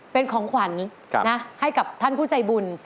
เป็นของขวัญให้กับท่านผู้ใจบุญ